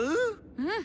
うん！